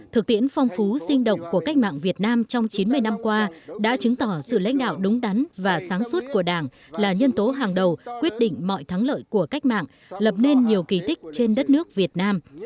thực tiễn phong phú sinh động của cách mạng việt nam trong chín mươi năm qua đã chứng tỏ sự lãnh đạo đúng đắn và sáng suốt của đảng là nhân tố hàng đầu quyết định mọi thắng lợi của cách mạng lập nên nhiều kỳ tích trên đất nước việt nam